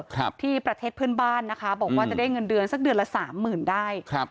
ครับที่ประเทศเพื่อนบ้านนะคะบอกว่าจะได้เงินเดือนสักเดือนละสามหมื่นได้ครับ